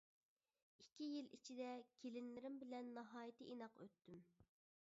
ئىككى يىل ئىچىدە كېلىنلىرىم بىلەن ناھايىتى ئىناق ئۆتتۈم.